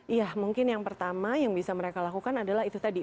iya mungkin yang pertama yang bisa mereka lakukan adalah itu tadi